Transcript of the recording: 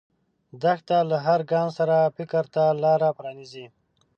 دښته له هر ګام سره فکر ته لاره پرانیزي.